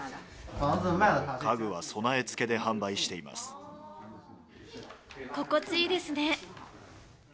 家具は備え付けで販売してい心地いいですね。